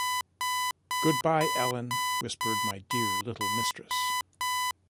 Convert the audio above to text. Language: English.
‘Good-bye, Ellen!’ whispered my dear little mistress.